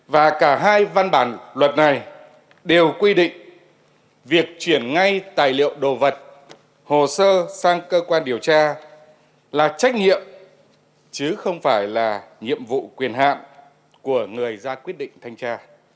và cả hai văn bản luật này đều quy định việc chuyển ngay tài liệu đồ vật hồ sơ sang cơ quan điều tra là trách nhiệm chứ không phải là nhiệm vụ quyền hạn của người ra quyết định thanh tra